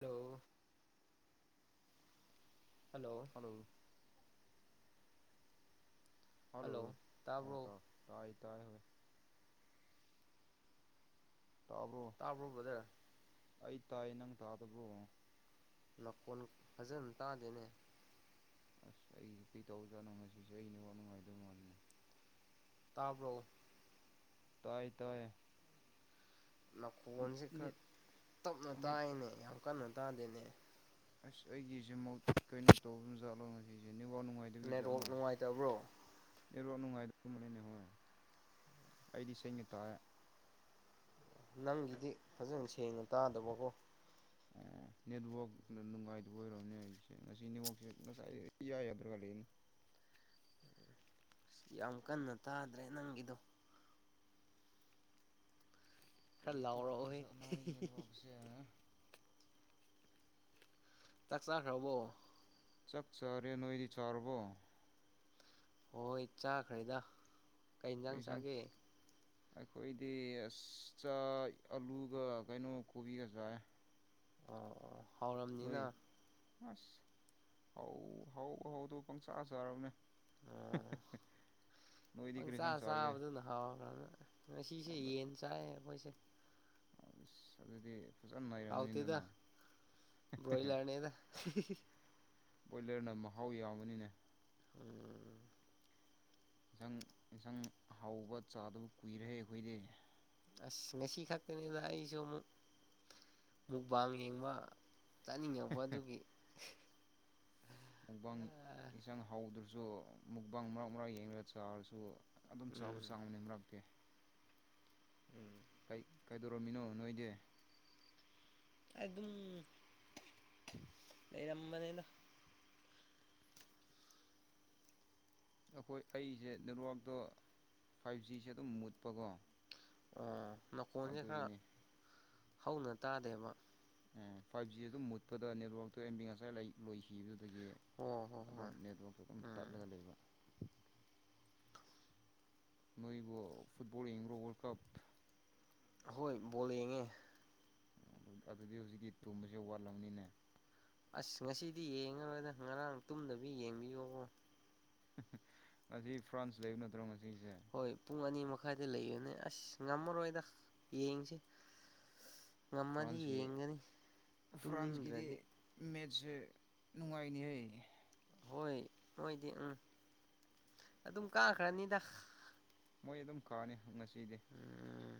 hello hello hello ꯑꯣ ꯇ ꯇꯥꯏ ꯇꯥꯏ ꯍ [inaudible] ꯇꯥꯕ꯭ꯔꯣ ꯑꯩ ꯇꯥꯏ ꯅꯪ ꯇꯥꯗꯕ꯭ꯔꯣ ꯅꯥꯀꯣꯟ ꯐꯖꯅ ꯇꯥꯗꯦꯅꯦ ꯑꯁ ꯑꯩꯁ ꯀꯩ ꯇꯧꯖꯥꯠꯅꯣ ꯉꯁꯤꯁꯦ ꯑꯩꯅꯦꯕ ꯅꯨꯡꯉꯥꯏꯗꯧ ꯃꯥꯜꯂꯅꯦ ꯇꯥꯕ꯭ꯔꯣ ꯇꯥꯏ ꯇꯥꯏ ꯃꯈꯣꯟꯁꯦ ꯅꯦꯠ ꯈꯔ ꯇꯞꯅ ꯅꯦꯠ ꯇꯥꯏꯅꯦ ꯌꯥꯝ ꯀꯟꯅ ꯇꯥꯗꯦꯅꯦ ꯑꯁ ꯑꯩꯒꯤꯁꯤꯃ ꯀꯩꯅꯣ ꯇꯧꯕ ꯖꯥꯠꯂꯣꯁ ꯁꯤꯅꯦ ꯋꯥ ꯅꯦꯠꯋꯥꯛ ꯅꯨꯡꯉꯥꯏꯇꯕꯤꯖꯠꯂꯣ ꯅꯨꯡꯉꯥꯏꯇꯕ꯭ꯔꯣ ꯑꯦꯔꯣ ꯅꯨꯡꯉꯥꯏꯗꯔꯕꯅꯦꯅꯦ ꯍꯣꯏ ꯑꯩꯗꯤ ꯏꯁꯩꯩꯅ ꯇꯥꯏꯑꯦ ꯅꯪꯒꯤꯗꯤ ꯐꯖꯅ ꯁꯦꯡꯅ ꯇꯥꯗꯕꯀꯣ ꯑꯣ ꯅꯦꯠꯋꯥꯛ ꯅꯨꯡꯉꯥꯏꯗꯕ ꯑꯣꯏꯔꯔꯕꯅꯦ ꯑꯩꯁꯦ ꯉꯁꯤ ꯅꯦꯠꯋꯥꯛꯁꯦ ꯉꯁꯥꯏ ꯌꯥꯒꯗ꯭ꯔꯒ ꯂꯩꯅꯦ ꯎꯝ ꯌꯥꯝ ꯀꯟꯅ ꯇꯥꯗ꯭ꯔꯦ ꯅꯪꯒꯤꯗꯣ ꯈꯔ ꯀꯔꯤꯔꯤ ꯇꯣ ꯂꯥꯎꯔꯛꯑꯣꯍꯦ ꯐꯖ ꯅꯗ ꯄꯁꯦ ꯆꯥꯛ ꯆꯥꯈ꯭ꯔꯕꯣ ꯆꯛꯆꯔꯦ ꯅꯣꯏꯗꯤ ꯆꯥꯔꯕꯣ ꯍꯣꯏ ꯆꯥꯈ꯭ꯔꯦꯗ ꯀꯩ ꯀꯔꯤ ꯌꯦꯟꯖꯥꯡ ꯏꯟꯁꯥꯡ ꯆꯥꯒꯦ ꯑꯩꯈꯣꯏꯗꯤ ꯑꯁ ꯆ ꯑꯂꯨꯒ ꯀꯩꯅꯣ ꯀꯣꯕꯤꯒ ꯆꯥꯏ ꯑꯣ ꯑꯣ ꯍꯥꯎꯔꯝꯅꯤꯅ ꯅꯣꯏ ꯑꯁ ꯍꯥꯎ ꯍꯥꯎ ꯍꯧ ꯄ ꯆꯥꯁ ꯍꯔꯅꯦ ꯑꯣ [unintelligible] ꯅꯣꯏꯗꯤ ꯀꯔꯤ ꯄꯪꯆꯥ ꯏꯟꯁꯥꯡ ꯆꯥꯒꯦ ꯆꯥꯕꯗꯨꯅ ꯍꯥꯎꯕ꯭ꯔꯅ ꯉꯁꯤꯁꯦ ꯑꯗ ꯌꯦꯟ ꯆꯥꯏ ꯑꯩꯈꯣꯏꯁꯦ ꯑꯁ ꯑꯗꯨꯗꯤ ꯐꯖꯅ ꯂꯩꯔꯕꯝꯅꯤ ꯍꯥꯎꯇꯦꯗ ꯑꯗꯨꯅ ꯕ꯭ꯔꯣꯏꯂꯔꯅꯦꯗ ꯕꯣꯏꯂꯔꯅ ꯃꯍꯥꯎ ꯌꯥꯎꯕꯅꯤꯅꯦ ꯎꯝ ꯏꯟꯁꯪ ꯑꯦꯟꯁꯥꯡ ꯍꯥꯎꯕ ꯆꯥꯗꯕ ꯀꯨꯏꯔꯦ ꯑꯩꯈꯣꯏꯗꯤ ꯑꯁ ꯉꯁꯤ ꯈꯛꯇꯅꯤꯗ ꯑꯩꯁꯨ ꯑꯃꯨꯛ ꯃꯨꯛꯕꯥꯡ ꯌꯦꯡꯕ ꯆꯠꯅꯤꯡꯉꯧꯕ ꯑꯗꯨꯒꯤ ꯃꯨꯛꯕꯥꯟ ꯏꯟꯁꯥꯡ ꯍꯧꯗ꯭ꯔꯁꯨ ꯃꯨꯛꯕꯥꯡ ꯃꯔꯥꯛ ꯃꯔꯥꯛ ꯌꯦꯡꯒ ꯆꯥꯔꯁꯨ ꯑꯗꯨꯝ ꯆꯥꯕ ꯎꯝ ꯆꯥꯡ ꯑꯃꯅꯤ ꯃꯔꯛꯇꯦ ꯎꯝ ꯀꯥꯏꯗꯧꯔꯝꯃꯤꯅꯣ ꯅꯣꯏꯗꯤ ꯑꯗꯨꯝ [unintelligible] ꯑꯩꯔꯃꯅꯦꯅ ꯑꯩꯈꯣꯏ ꯑꯩꯁꯦ ꯅꯦꯠꯋꯥꯛꯇꯣ ꯐꯥꯏꯚ ꯖꯤꯁꯦ ꯑꯗꯨꯝ ꯃꯨꯠꯄꯀꯣ ꯑꯣ ꯅꯀꯣꯟꯁꯦ ꯈꯔ ꯑꯗꯨꯒꯤꯅꯤ ꯍꯧꯅ ꯇꯥꯗꯦꯕ ꯑꯦ ꯐꯥꯏꯚ ꯖꯤ ꯑꯗꯨꯝ ꯃꯨꯠꯄꯗ ꯅꯦꯠꯋꯥꯛꯇꯣ ꯑꯦꯝꯕꯤ ꯉꯁꯥꯏ ꯂꯣꯏꯈꯤꯕꯗꯨꯗ ꯑꯗꯒꯤ ꯑꯣ ꯍꯣꯏ ꯑꯗꯨꯝ ꯍꯣꯏ ꯅꯦꯠꯋꯥꯛꯇ ꯑꯗꯨꯝ ꯎꯝ ꯇꯠꯂꯒ ꯂꯩꯕ ꯅꯣꯏꯒ ꯐꯨꯠꯕꯣꯜ ꯏꯡ꯭ꯔꯣ ꯋꯥꯔꯜ ꯀꯞ ꯍꯣꯏ ꯕꯣꯜ ꯌꯦꯡꯉꯦ ꯑꯗꯨꯗꯤ ꯍꯧꯖꯤꯛꯀꯤ ꯇꯨꯝꯕꯁꯦ ꯋꯥꯠꯂꯝꯕꯅꯤꯅꯦ ꯑꯁ ꯉꯁꯤꯗꯤ ꯌꯦꯡꯉꯔꯣꯏꯗ ꯉꯔꯥꯡ ꯇꯨꯝꯗꯕꯤ ꯌꯦꯡꯕꯤꯌꯣꯕ ꯃꯁꯤꯖꯤ ꯐ꯭ꯔꯥꯟꯁ ꯂꯩꯦ ꯅꯠꯇ꯭ꯔꯣ ꯉꯁꯤ ꯍꯣꯏ ꯄꯨꯡ ꯑꯅꯤ ꯃꯈꯥ ꯥꯏꯗ ꯂꯩꯌꯨꯅꯦ ꯑꯁ ꯉꯝꯃꯔꯣꯏꯗ ꯌꯦꯡꯁꯤ ꯉꯝꯃꯗꯤ ꯐ꯭ꯔꯥꯟꯁꯀꯤ ꯌꯦꯡꯒꯅꯤ ꯇꯨꯝꯅꯤꯡꯗ꯭ꯔꯗꯤ ꯁꯤꯦ ꯅꯨꯡꯉꯥꯏꯅꯤꯍꯩ ꯍꯣꯏ ꯃꯣꯏꯗꯤ ꯎꯝ ꯑꯗꯨꯝ ꯀꯥꯈ꯭ꯔꯅꯤꯗ ꯃꯣꯏ ꯑꯗꯨꯝ ꯀꯥꯅꯤ ꯉꯁꯤꯗꯤ ꯎꯝ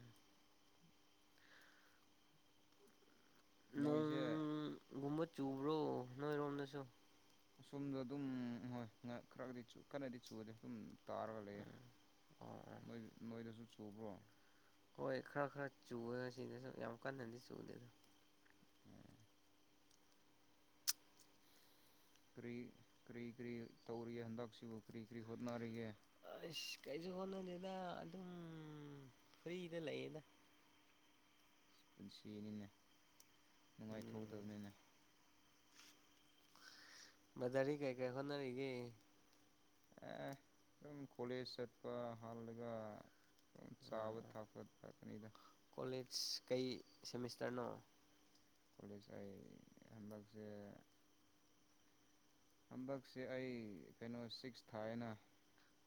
ꯃꯣꯏꯁꯦ ꯅꯣꯡꯒꯨꯝꯕ ꯆꯨꯕ꯭ꯔꯣ ꯅꯣꯏꯔꯣꯝꯗꯁꯨ ꯑꯁꯣꯝꯗꯣ ꯑꯗꯨꯝ ꯍꯣꯏ ꯉꯍ ꯈꯔꯒꯗꯤ ꯀꯟꯅꯗꯤ ꯆꯨꯗꯦ ꯑꯗꯨꯝ ꯇꯥꯔꯒ ꯂꯩꯌꯦꯏ ꯑꯣ ꯑꯣ ꯅꯣꯏꯗꯁꯨ ꯆꯨꯕ꯭ꯔꯣ ꯍꯣꯏ ꯈꯔ ꯈꯔ ꯆꯨꯨꯋ‌ꯦ ꯁꯤꯗꯁꯨ ꯌꯥꯝ ꯀꯟꯅꯗꯤ ꯆꯨꯗꯦꯗ ꯀꯔꯤ ꯀꯔꯤ ꯀꯔꯤ ꯇꯧꯔꯤꯒ‌ꯦ ꯍꯟꯗꯛꯁꯤꯕꯨ ꯀꯔꯤ ꯀꯔꯤ ꯍꯣꯠꯅꯔꯤꯒꯦ ꯑꯁ ꯀꯩꯁꯨ ꯍꯣꯠꯅꯗ‌ꯦꯗ ꯑꯗꯨꯝ ꯐ꯭ꯔꯤꯗ ꯂꯩꯌꯦꯗ [inaudible] ꯑꯁ ꯄꯨꯟꯁꯤꯅꯤꯅꯦ ꯎꯝ ꯅꯨꯡꯉꯥꯏꯊꯣꯛꯀꯗꯕꯅꯤꯅ‌ꯦ ꯕꯗꯥꯔꯗꯤ ꯀꯩ ꯀꯩ ꯍꯣꯠꯅꯔꯤꯒꯦ ꯑꯦ ꯑꯗꯨꯝ ꯀꯣꯂ‌ꯦꯖ ꯆꯠꯄ ꯍꯜꯒ ꯆꯥꯕ ꯊꯛꯄ ꯈꯛꯇꯅꯤꯗ ꯀꯣꯂꯦꯖ ꯀꯩ ꯁ‌ꯦꯃꯤꯁꯇꯔꯅꫭ ꯀꫭꯂꯦꯖ ꯀꯥꯏꯌ‌ꯦ ꯍꯟꯗꯛꯁꯦ ꯍꯟꯗꯛꯁꯦ ꯑꯩ ꯀꯩꯅꯣ ꯁꯤꯛꯁ ꯊꯥꯏꯑ‌ꯦꯅ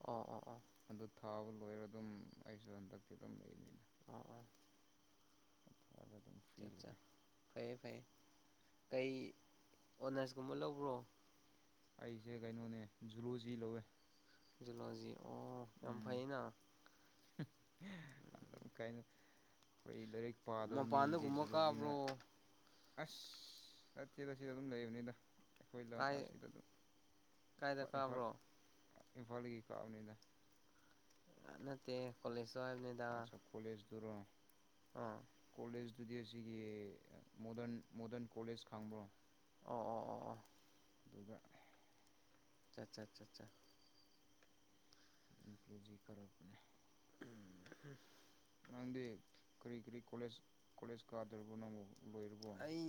ꯑꯣ ꯑꯣ ꯑꯣ ꯊꯥꯕ ꯂꯣꯏꯔꯒ ꯑꯗꯨꯝ ꯑꯩꯁꯨ ꯍꯟꯗꯛꯇꯤ ꯑꯗꯨꯝ ꯂꯩꯕꯅꯤꯅ‌ꯦ ꯑꯣ [unintelligible] ꯊꯥꯔꯒ ꯑꯗꯨꯝ ꯐ꯭ꯔꯤ ꯂꯩꯌꯦ ꯐꯩꯌꯦ ꯐꯩꯌꯦ ꯀꯩ ꯑꯣꯅꯔꯁꯀꯨꯝꯕ ꯂꯧꯕ꯭ꯔꯣ ꯑꯩꯁꯦ ꯀꯩꯅꯣꯅꯦ ꯖꯨꯂꯣꯖꯤ ꯂꯧꯋꯦ ꯖꯨꯂꫭꯖꯤ ꯑꯣ ꯌꯥꯝ ꯐꯩꯅ ꯀꯥꯏ [unintelligible] ꯑꯩꯈꯣꯏ ꯂꯥꯏꯔꯤꯛ ꯄꯥꯗꯕ ꯃꯤꯒꯤꯗꯤ ꯃꯄꯥꯟꯗꯒꯨꯝꯕ ꯖꯨꯂꯣꯖꯤꯅ ꯀꯥꯕ꯭ꯔꯣ ꯑꯁ ꯆꯠꯁꯤ ꯆꯠꯁꯤ ꯑꯗꯨꯝ ꯂꯩꯕꯅꯤꯗ ꯑꯩꯈꯣꯏ ꯂꯝ ꯀꯥꯏ ꯑꯁꯤꯗ ꯑꯗꯨꯝ ꯀꯥꯏꯗ ꯏꯝꯐꯥꯜ ꯀꯥꯕ꯭ꯔꯣ ꯏꯝꯐꯥꯜꯗꯒꯤ ꯀꯥꯕꯅꯤꯗ ꯅꯠꯇ ꯀꯂꯦꯖꯇꫭ ꯍꯥꯏꯕꯅꯤꯗ ꯇꯨꯔꯣꯡ [unintelligible] ꯑꯥ ꯇꯨꯗꯤ ꯑꯁꯤꯒꯤ ꯃꯣꯗꯟ ꯃꯣꯗꯔꯟ ꯀꯣꯂꯦꯖ ꯈꯪꯕ꯭ꯔꯣ ꯑꯣ ꯑꯣ ꯑꯣ ꯑꯣ ꯑꯗꯨꯒ ꯆꯠ ꯆꯠ ꯆꯠ ꯆꯥ ꯏꯝ [unintelligible] ꯄ꯭ꯂꯔꯛꯅꯦ ꯎꯝ ꯍꯨꯝ ꯅꯪꯗꯤ ꯀꯔꯤ ꯀꯔꯤ ꯀꯣꯂꯦꯖ ꯀꯣꯂꯦꯖ ꯀꯥꯗꯕꯔꫭ ꯅꯪꯕꯣ ꯑꯩ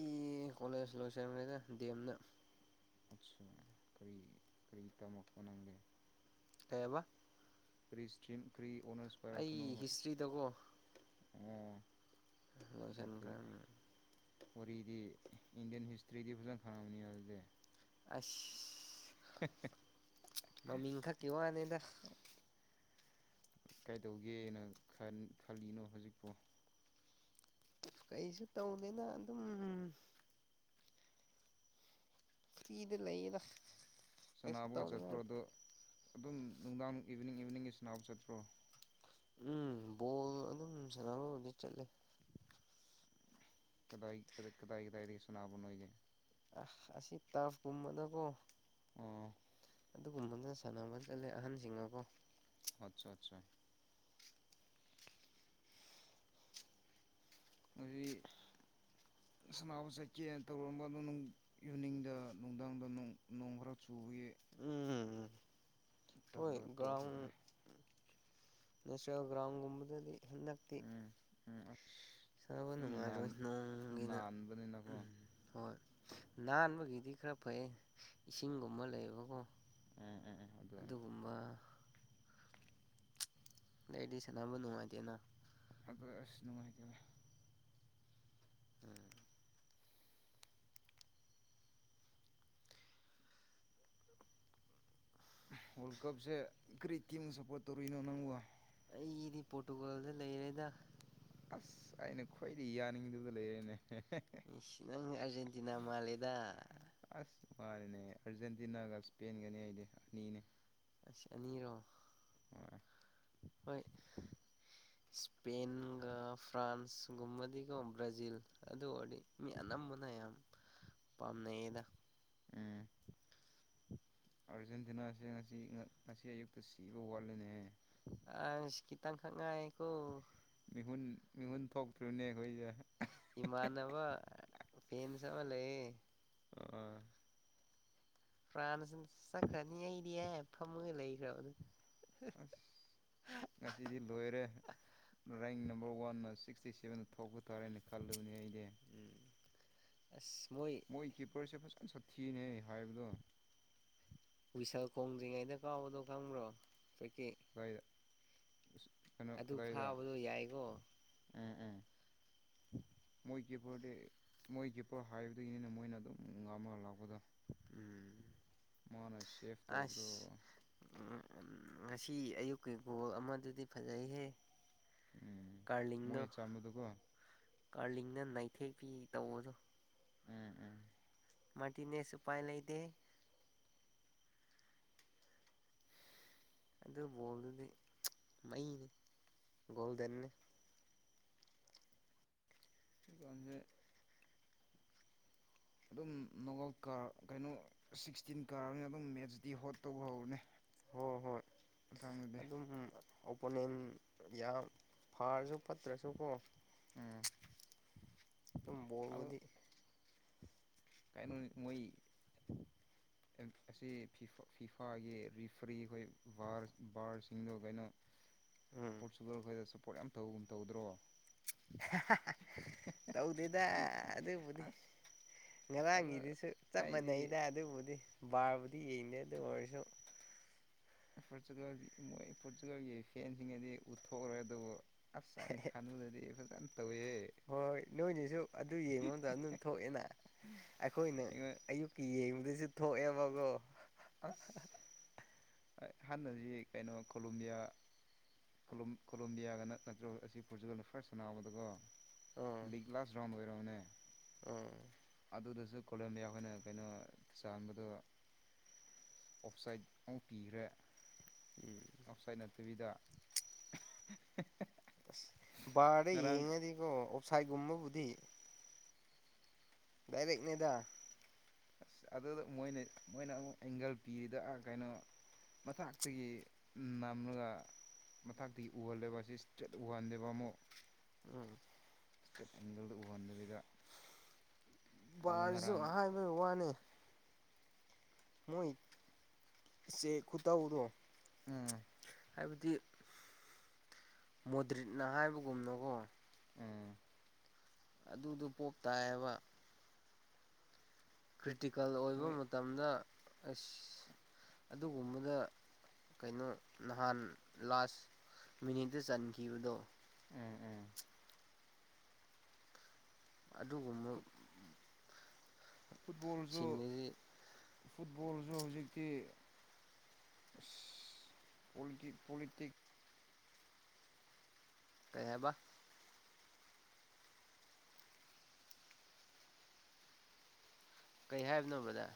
ꯀꯣꯂꯦꯖ ꯂꯣꯏꯁꯟꯒꯔ‌ꯦꯗ ꯗꯦꯝꯗ ꯑꯠꯁꯥ ꯀꯔꯤ ꯀꯔꯤ ꯇꯝꯃꯛꯄ ꯅꯪꯗꯤ ꯀꯩꯏꯑꯕ ꯀ꯭ꯔꯤ ꯏꯁꯇꯔꯤꯝ ꯀꯔꯤ ꯑꯣꯔꯅꯔꯁ ꯄꯥꯏꯔꯛꯄꯅꫭꯕ ꯍꯤꯁꯇ꯭ꯔꯤꯗꯀꯣ ꯂꫭꯏꯁꯟꯒꯔ‌ꯦꯅ‌ꯦ ꯋꯥꯔꯤꯗꯤ ꯏꯟꯗꯤꯌꯥꯟ ꯍꯤꯁꯇ꯭ꯔꯤꯗꯤ ꯐꯖꯅ ꯈꯪꯉꯝꯃꯅꯤ ꯑꯗꯨꯗꯤ ꯑꯁ [unintelligible] ꯃꯃꯤꯡ ꯈꯛꯀꯤ ꯋꯥꯅꯦꯗ ꯀꯥꯏꯗꯧꯒꯦꯅ ꯈꯟ ꯈꯜꯂꯤꯅꯣ ꯍꯧꯖꯤꯛꯄꯨ ꯀꯩꯁꯨ ꯇꯧꯗꯦꯗ ꯑꯗꯨꯝ ꯐ꯭ꯔꯤꯗ ꯂꯩꯗ [unintelligible] ꯁꯟꯅꯥꯕꯒ ꯆꯠꯄ꯭ꯔꯣ ꯑꯗꯣ ꯑꯗꯨꯝ ꯅꯨꯡꯗꯥꯡ ꯏꯚꯤꯅꯤꯡ ꯏꯚꯤꯅꯤꯡꯒꯤ ꯁꯟꯅꯥꯕ ꯆꯠꯄ꯭ꯔꯣ ꯎꯝ ꯕꯣꯜ ꯑꯗꯨꯝ ꯁꯥꯟꯅꯕꯕꯨꯗꯤ ꯆꯠꯂꯦ ꯀꯗꯥꯏ ꯀꯗꯥꯏ ꯀꯗꯥꯏꯗꯒꯤ ꯁꯅꯥꯕ ꯅꯣꯑꯣꯏꯗꯤ ꯑ ꯑꯁꯤ ꯇꯔꯐ ꯀꯨꯝꯕꯗꯀꯣ ꯎ ꯑꯗꯨꯒꯨꯝꯕꯅ ꯁꯥꯟꯅꯕ ꯆꯠꯂꯦ ꯑꯍꯟꯁꯤꯡꯒꯀꯣ ꯑꯠꯆꯥ ꯑꯠꯆꯥ ꯑꯗꯨ ꯁꯅꯥꯕꯨ ꯆꯠꯀꯦ ꯇꯧꯔꯝꯕꯗꯣ ꯌꯨꯅꯤꯡꯗ ꯅꯨꯡꯗꯥꯡꯗ ꯅꯣꯡꯔ ꯆ ꯎꯝ ꯍꯣꯏ ꯇꯜꯂꯒ ꯒ꯭ꯔꯥꯎꯟ ꯇꯣꯛꯈ꯭ꯔꯕꯅꯦ ꯅꯦꯁꯅꯦꯜ ꯒ꯭ꯔꯥꯎꯟꯒꯨꯝꯕꯗꯗꯤ ꯍꯟꯗꯛꯇꯤ ꯎꯝ ꯎꯝ ꯑꯁ ꯁꯥꯕ ꯑꯗꯨꯝ ꯅꯥꯟ ꯅꯨꯡꯉꯥꯏꯔꯣꯏ ꯅꯣꯡꯒꯤꯅ ꯅꯥꯟꯕꯅꯤꯅꯀꯣ ꯎꯝ ꯍꯣꯏ ꯅꯥꯟꯕꯒꯤꯗꯤ ꯈꯔ ꯐꯩ ꯏꯁꯤꯡꯒꯨꯝꯕ ꯂꯩꯌꯦꯕꯀꯣ ꯎꯝ ꯎꯝ ꯎꯝ ꯑꯗꯨ ꯑꯗꯨꯒꯨꯝꯕ ꯂꯩꯗꯤ ꯁꯅꯥꯕꯨ ꯅꯨꯡꯉꯥꯏꯇꯅ ꯑꯗ ꯑꯁ ꯅꯨꯡꯉꯥꯏꯇꯔꯦ ꯋꯥꯔꯜ ꯀꯞꯁꯦ ꯀꯔꯤ ꯀꯤꯝ ꯁꯐꯣꯔ ꯇꯧꯔꯔꯤꯅꯣ ꯅꯪꯣ ꯑꯩꯗꯤ ꯄꯣꯔꯇꯨꯒꯥꯜꯗ ꯂꯩꯔꯦꯗ ꯑꯁ ꯑꯩꯅ ꯈ꯭ꯋꯥꯏꯗꯤ ꯌꯥꯅꯤꯡꯗꯕꯗ ꯂꯩꯔꯦꯅꯦ ꯅꯪ ꯑꯔꯖꯦꯟꯇꯤꯅꯥ ꯃꯥꯂꯦꯗ ꯑꯁ ꯃꯥꯅꯤꯅꯦ ꯑꯥꯔꯖꯦꯟꯇꯤꯅꯥꯒ ꯏꯁꯄꯦꯟꯒꯅꯦ ꯑꯩꯗꯤ ꯑꯅꯤꯅꯦ ꯅꯤꯔꯣ ꯍꯣꯏ ꯍꯣꯏ ꯏꯁꯄꯦꯟꯒ ꯐ꯭ꯔꯥꯟꯁꯒꯨꯝꯕꯗꯤꯒꯣ ꯕ꯭ꯔꯥꯖꯤꯜ ꯑꯗꯨ ꯑꯣꯏꯔꯗꯤ ꯃꯤ ꯑꯅꯝꯕꯅ ꯄꯥꯝꯃꯦꯗ ꯎꯝ ꯑꯥꯔꯖꯦꯟꯇꯤꯅꯥꯁꯦ ꯉꯁꯤ ꯉꯁꯤ ꯑꯌꯨꯛꯇ ꯁꯤꯕ ꯋꯥꯠꯂꯅꯦꯍ ꯑ ꯆꯇꯥꯡ ꯈꯥꯟꯉꯥꯏꯀ ꯃꯤꯍꯨꯟ ꯃꯤꯍꯨꯟ ꯊꯣꯛꯇ꯭ꯨꯅꯦ ꯑꯩꯈꯣꯏꯁꯦ ꯏꯃꯅꯅꯕ ꯐꯦꯟ ꯁꯃ ꯂꯩꯦ ꯑꯥ ꯐ꯭ꯔꯥꯟꯁꯅ ꯆꯠꯈ꯭ꯔꯅꯤ ꯑꯩꯗꯤ ꯑꯦ ꯐꯝꯃꯣꯏ ꯂꯩꯈ꯭ꯔꯕ ꯑꯗꯨ ꯑ ꯉꯁꯤꯗꯤ ꯂꯣꯏꯔꯦ ꯔꯦꯡ ꯅꯝꯕꯔ ꯋꯥꯟꯅ ꯁꯤꯛꯁꯇꯤ ꯁꯕꯦꯟꯗ ꯊꯣꯛꯄ ꯇꯥꯔꯦ ꯍꯥꯏꯅ ꯈꯜꯂꯨꯕꯅꯤ ꯑꯩ ꯃꯣꯏ ꯀ ꯄꯁꯤꯦ ꯐꯁ ꯁ ꯊꯤꯅꯦꯩ ꯍꯥꯏꯕꯗꯣ ꯍꯨꯏꯁꯜ ꯈꯣꯡꯗ꯭ꯔꯤꯉꯩꯗ ꯀꯥꯎꯕꯗꯣ ꯈꯪꯕ꯭ꯔꯣ ꯍꯧꯀꯤ ꯑ ꯑꯗꯨ ꯐꯥꯕꯗꯣ ꯌꯥꯏꯀꯣ ꯎꯝ ꯎꯝ ꯃꯣꯏ ꯀꯤꯞꯄꯔꯗꯤ ꯃꯣꯏ ꯀꯤꯞꯄꯔ ꯍꯥꯏꯕꯗꯒꯤꯅꯤꯅ ꯃꯣꯏꯅ ꯑꯗꯨꯝ ꯉꯥꯝꯃꯒ ꯂꯥꯛꯄꯗꯣ ꯎꯝ ꯃꯥꯅ ꯁꯦꯞ ꯑ ꯇꯧꯕꯗꯣ ꯉꯁꯤ ꯑꯌꯨꯛꯀꯤ ꯒꯣꯜ ꯑꯃꯗꯨꯗꯤ ꯐꯖꯩꯍꯦ ꯎꯝ ꯀꯔꯂꯤꯗ ꯃꯣꯏꯅ ꯆꯟꯕꯗꯨꯀꯣ ꯀꯂꯤ ꯑꯩꯅ ꯅꯅꯥꯏꯊꯦꯛꯄꯤꯤ ꯇꯧꯧꯕꯁꯨ ꯎꯝ ꯎꯝ ꯃꯥꯅꯦꯁ ꯎꯄꯥꯏ ꯂꯩꯗꯦ ꯑꯗꯨ ꯕꯣꯜꯗꯨꯗꯤ ꯃꯩꯅꯤ ꯒꯣꯜꯗꯟꯅꯤ ꯏꯀꯖꯦ ꯑꯗꯨꯝ ꯅꯣꯥꯎ ꯀꯥ ꯀꯩꯅꯣ ꯁꯤꯛꯁꯇꯤꯟ ꯀꯥꯔꯅꯤꯅ ꯑꯗꯨꯝ ꯃꯦꯠꯁꯇꯤ ꯍꯣꯠ ꯇꯧꯕ ꯍꯧꯔꯅꯤ ꯍꯣꯏ ꯍꯣꯏ ꯥꯡ ꯑꯗꯨꯗꯦ ꯄꯨꯣꯅꯤꯟ ꯌꯥꯝ ꯐꯔꯁꯨ ꯐꯠꯇ꯭ꯔꯁꯨꯀꯣ ꯎꯝ ꯑꯗꯨꯝ ꯕꯜꯕꯨꯗꯤ ꯀꯩꯅꯩꯅꯣ ꯃꯣꯏ ꯑꯁꯤ ꯐ ꯐꯤꯐꯥꯒꯤ ꯔꯤꯐ꯭ꯔꯤ ꯑꯩꯈꯣꯏꯕꯥ ꯕꯥꯔꯁꯤꯡꯗꯣ ꯀꯩꯅꯣ ꯎꯝ ꯄꯣꯔꯆꯨꯒꯜ ꯈꯈꯣꯏꯗ ꯁꯞꯄꯣꯔꯠ ꯌꯥꯝꯧꯒꯨꯝ ꯇꯧꯗ꯭ꯔꯣ ꯇꯧꯗꯦꯗ ꯑꯗꯨꯕꯨꯅꯤ ꯑꯁ ꯑꯗꯣ ꯉꯔꯥꯡꯒꯤꯗꯨꯁꯨ ꯆꯞ ꯑꯩꯗꯤ ꯃꯥꯟꯅꯩꯗ ꯑꯗꯨꯕꯨꯗꯤ ꯕꯥꯕꯨꯗꯤ ꯌꯦꯡꯗꯦ ꯑꯗꯨ ꯑꯣꯏꯔꯁꯨ ꯄꯣꯔꯇꯨꯒꯥꯜꯒꯤ ꯃꯣꯏ ꯄꯣꯔꯇꯨꯒꯥꯜꯒꯤ ꯐꯦꯟꯁꯤꯡꯗꯤ ꯎꯠꯊꯣꯛꯈꯔꯣꯏ ꯑꯗꯨꯕꯨ ꯑꯁꯥꯏꯟ ꯈꯥꯟꯕꯨꯗꯗꯤ ꯐ ꯍꯣꯏ ꯅꯣꯏꯅꯤꯁꯨ ꯑꯗꯨ ꯌꯦꯡꯕ ꯃꯇꯝꯝꯗ ꯑꯗꯨꯝ ꯊꯣꯛꯑꯦꯅ ꯑꯩꯈꯣꯏꯅ ꯑꯩꯉꯣꯟ ꯑꯌꯨꯛꯀꯤ ꯌꯦꯡꯕꯗꯁꯨ ꯊꯣꯛꯑꯦꯕꯀꯣ ꯑꯁ ꯍꯍꯥꯟꯅꯁꯤ ꯀꯩꯅꯣ ꯀꯣꯂꯣꯕꯤꯌꯥ ꯀꯣꯂꯣꯝꯕꯤꯌꯥꯒꯅ ꯅꯠꯇ꯭ꯔꯒ ꯑꯁꯤ ꯄꯣꯔꯆꯨꯒꯜꯅ ꯐꯥꯔꯁ ꯁꯅꯥꯕꯗꯀꯣ ꯑꯥ ꯂꯤꯒꯥꯁ ꯔꯣꯝ ꯑꯣꯏꯔꯕꯣꯅꯦ ꯑꯥ ꯑꯗꯨꯗꯁꯨ ꯀꯣꯂꯝꯣꯕꯤꯌꯥ ꯑꯩꯈꯣꯏꯅ ꯀꯩꯅꯣ ꯆꯥꯟꯕꯗꯣ ꯑꯞꯁꯥꯏꯠ ꯑꯃꯨꯛ ꯄꯤꯈ꯭ꯔꯦ ꯎꯝ ꯑꯞꯁꯥꯏꯠ ꯨꯕꯤꯗ ꯑꯁ ꯕꯥꯔꯗ ꯌꯦꯡꯉꯗꯤꯀꯣ ꯑꯣꯞꯁꯥꯏꯠꯒꯨꯝꯕꯕꯨꯗꯤ ꯗꯥꯏꯔꯦꯛꯅꯗ ꯑꯁ ꯑꯗꯨꯗ ꯃꯣꯏꯅ ꯃꯣꯏꯅ ꯑꯃꯨꯛ ꯑꯦꯡꯒꯜ ꯄꯤꯔꯤꯗ ꯀꯩꯅꯣ ꯃꯊꯇꯒꯤ ꯅꯝꯂꯒ ꯃꯊꯛꯇꯒꯤ ꯎꯍꯜꯂꯦꯕ ꯑꯁꯤ ꯏꯁꯇ꯭ꯔꯦꯠ ꯎꯍꯟꯗꯦꯕ ꯑꯃꯨꯛ ꯎꯝ ꯏꯁꯇꯦꯠ ꯑꯦꯡꯒꯜꯗ ꯎꯍꯟꯗꯕꯤꯗ ꯑꯃꯨꯛ ꯕꯥꯔꯁꯨ ꯉꯔꯥꯡ ꯑꯍꯟꯕꯩ ꯋꯥꯅꯦ ꯃꯣꯏꯁꯦ ꯈꯨꯇꯧ ꯗꯣ ꯎꯝ ꯍꯥꯏꯕꯗꯤ ꯃꯣꯗ꯭ꯔꯤꯠꯅ ꯍꯥꯏꯕꯒꯨꯝꯅꯀꯣ ꯎꯝ ꯑꯗꯨꯗꯨ ꯄꯣꯛꯞ ꯇꯥꯏꯌꯦꯕ ꯇꯤꯀꯦꯜ ꯑꯣꯏꯕ ꯃꯣꯏ ꯃꯇꯝꯗ ꯑꯁ ꯑꯗꯨꯒꯨꯝꯕꯗ ꯀꯩꯅꯣ ꯅꯍꯥꯟ ꯂꯥꯁ ꯃꯤꯅꯤꯠꯇ ꯆꯟꯈꯤꯕꯗꯣ ꯎꯝ ꯎꯝ ꯑꯗꯨꯒꯨꯝꯕ ꯐꯨꯠꯕꯣꯜꯁꯨ ꯁꯤꯡꯗꯨꯗꯤ ꯐꯨꯠꯕꯣꯜꯁꯨ ꯍꯧꯖꯤꯛꯇꯤ ꯏꯁ ꯄꯣꯂꯤꯇꯤꯛ ꯄꯣꯂꯤꯇꯤꯛ ꯀꯩꯍꯥꯏꯕ ꯀꯩ ꯍꯥꯏꯕꯅꯣ ꯕꯗ꯭ꯔ